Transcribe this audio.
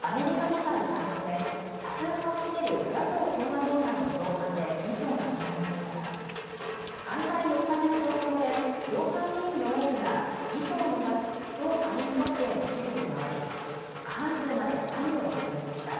アメリカ議会下院で多数派を占める野党・共和党内の造反で議長が決まらない中、開会４日目の投票で造反議員の多くが議長を目指す党下院トップへの支持に回り過半数まで３票に迫りました。